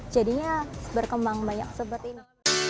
jadinya berkembang banyak seperti ini